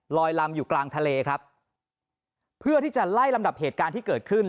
ลำอยู่กลางทะเลครับเพื่อที่จะไล่ลำดับเหตุการณ์ที่เกิดขึ้น